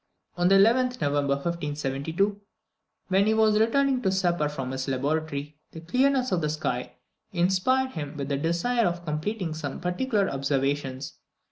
On the 11th November 1572, when he was returning to supper from his laboratory, the clearness of the sky inspired him with the desire of completing some particular observations.